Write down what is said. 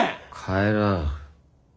帰らん。